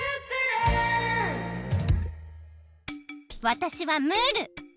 わたしはムール！